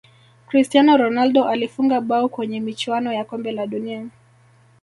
cristiano ronaldo alifunga bao kwenye michuano ya kombe la dunia